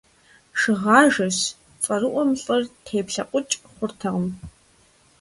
Шыгъажэш цӀэрыӀуэм лӀыр теплъэкъукӀ хъуртэкъым.